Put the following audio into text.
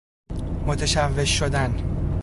متشوش شدن